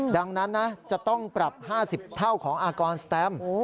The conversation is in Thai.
ดังนั้นนะจะต้องปรับ๕๐เท่าของอากรสแตม